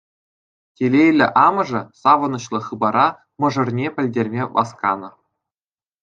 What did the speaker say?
Телейлӗ амӑшӗ савӑнӑҫлӑ хыпара мӑшӑрне пӗлтерме васканӑ.